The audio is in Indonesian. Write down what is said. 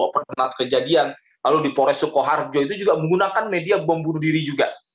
perkenal kejadian lalu di polres soekoharjo itu juga menggunakan media membunuh diri juga